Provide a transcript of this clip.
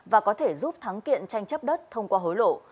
và có thể giúp thắng kiện tranh chấp đất thông qua hối lộ